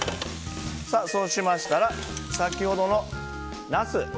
そうしましたら先ほどのナス。